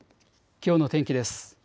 きょうの天気です。